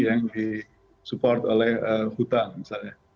yang di support oleh hutang misalnya